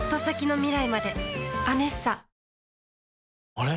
あれ？